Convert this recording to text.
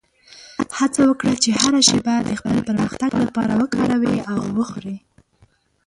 هڅه وکړه چې هره شېبه د خپل پرمختګ لپاره وکاروې او وخورې.